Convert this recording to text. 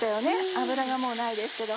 油がもうないですけど。